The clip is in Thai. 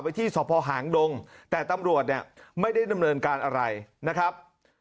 ที่สภหางดงแต่ตำรวจเนี่ยไม่ได้ดำเนินการอะไรนะครับ